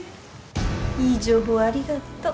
いい情報ありがとう。